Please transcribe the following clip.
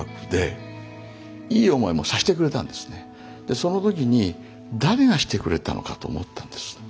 その時に誰がしてくれたのかと思ったんですね。